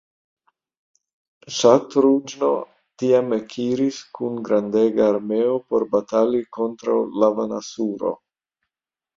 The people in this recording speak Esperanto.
Ŝatrughno tiam ekiris kun grandega armeo por batali kontraŭ Lavanasuro.